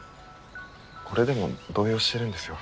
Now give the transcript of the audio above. これでも動揺してるんですよ